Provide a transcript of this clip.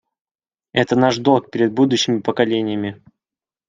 Это наш долг перед будущими поколениями.